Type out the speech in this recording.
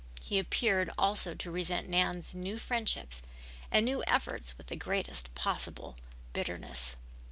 He appeared also to resent Nan's new friendships and new efforts with the greatest possible bitterness.